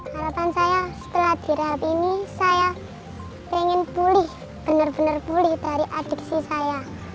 harapan saya setelah dirawat ini saya ingin pulih benar benar pulih dari adiksi saya